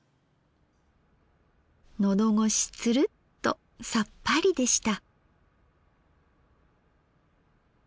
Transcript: のどごしツルッとさっぱりでした。